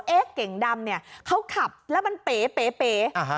เอ๊เก๋งดำเนี่ยเขาขับแล้วมันเป๋เก๋เออฮะ